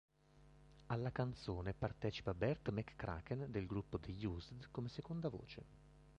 Alla canzone partecipa Bert McCracken del gruppo The Used, come seconda voce.